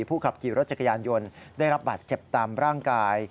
ผู้ขับขี่รถจักรยานยนต์ได้รับบาดเจ็บตามร่างกาย